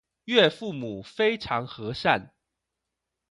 岳父母非常和善